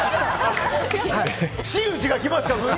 真打ちが来ますか。